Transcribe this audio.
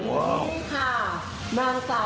คนสุดท้ายของเราค่ะ